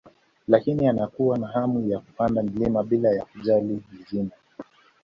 Lakini anakuwa na hamu ya kupanda mlima bila ya kujali ni jina